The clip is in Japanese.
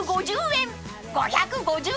［５５０円！］